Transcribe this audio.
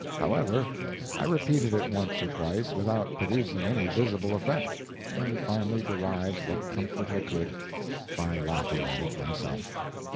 However, I repeated it once or twice without producing any visible effect, and finally derived what comfort I could by laughing at it myself.